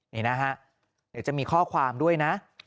นี่นะฮะเดี๋ยวจะมีข้อความด้วยนะ